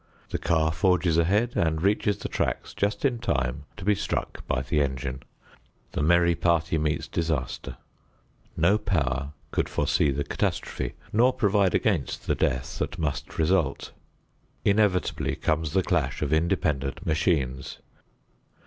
The car forges ahead and reaches the tracks just in time to be struck by the engine. The merry party meets disaster. No power could foresee the catastrophe, nor provide against the death that must result. Inevitably comes the clash of independent machines.